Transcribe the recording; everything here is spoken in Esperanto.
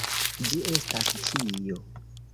Ĝi estas ĉio.